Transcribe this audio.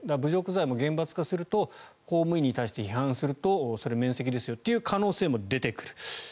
侮辱罪も厳罰化すると公務員に対して批判するとそれは免責ですよという可能性も出てくる。